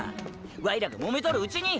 ワイらがモメとるうちに！！